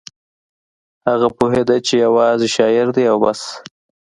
هغه پوهېده چې یوازې شاعر دی او بس